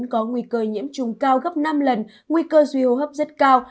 có nguy cơ nhiễm trùng cao gấp năm lần nguy cơ duy hô hấp rất cao